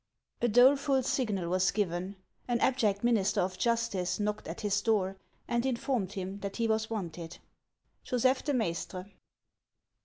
A doleful signal was given, an abject minister of justice knocked at his door and informed him that he was wanted. — JOSEPH DE MAISTRE.